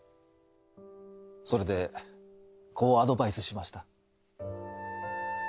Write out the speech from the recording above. それでこうアドバイスしました。